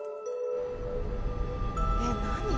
「えっ何？」